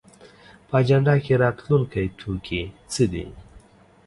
په اجنډا کې راتلونکی توکي څه دي؟